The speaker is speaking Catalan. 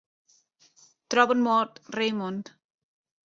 Troben mort Raymond.